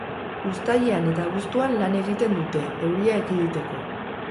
Uztailean eta abuztuan lan egiten dute, euria ekiditeko.